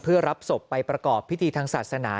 เพื่อรับศพไปประกอบพิธีทางศาสนา